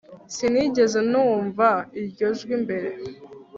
Sinigeze numva iryo jwi mbere